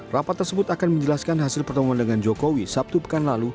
rapat tersebut akan menjelaskan hasil pertemuan dengan jokowi sabtu pekan lalu